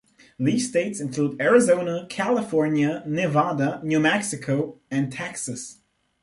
These states include Arizona, California, Nevada, New Mexico, and Texas.